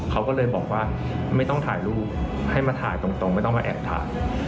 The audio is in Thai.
เขาก็เลยบอกว่าไม่ต้องถ่ายรูปให้มาถ่ายตรงไม่ต้องมาแอบถ่าย